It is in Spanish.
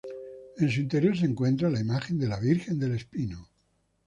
En su interior se encuentra la imagen de la Virgen del Espino.